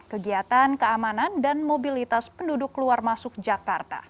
kegiatan keamanan dan mobilitas penduduk luar masuk jakarta